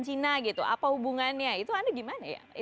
cina gitu apa hubungannya itu anda gimana ya